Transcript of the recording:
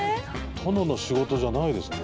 殿の仕事じゃないですね。